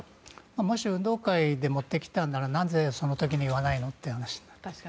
もし運動会で持ってきたならなぜ、その時に言わないのという話なんです。